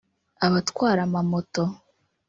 abatwara amamoto